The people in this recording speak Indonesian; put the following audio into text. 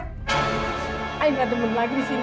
saya gak teman lagi di sini